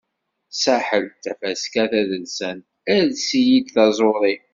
Saḥel, Tafaska tadelsant "Ales-iyi-d taẓuri".